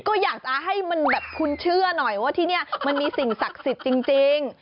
ก็อยากจะให้มันแบบคุณเชื่อหน่อยว่าที่นี่มันมีสิ่งศักดิ์สิทธิ์จริง